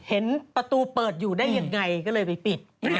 เห็นประตูเปิดอยู่ได้ยังไงก็เลยไปปิด